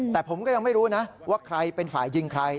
แต่ผมก็ยังไม่รู้นะว่าใครเป็นฝ่ายยิงใคร